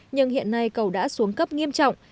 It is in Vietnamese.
nhưng hiện nay cầu đã xuống cấp nghiêm trọng